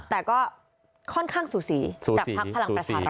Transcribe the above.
แต่ก็ค่อนข้างสูสีจากภักดิ์ภารกรรมประชาธิปัตย์